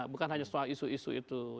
bukan hanya soal isu isu itu